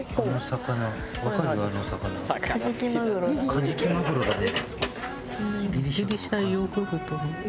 カジキマグロだね。